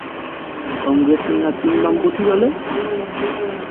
কংগ্রেসের না তিন বামপন্থী দলের?